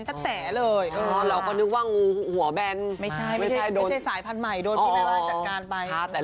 แตะเลยเราก็นึกว่างูหัวแบนไม่ใช่ไม่ใช่สายพันธุ์ใหม่โดนที่แม่บ้านจัดการไป